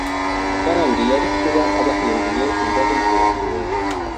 kandi yari kuba abahinduye imbohe ze burundu.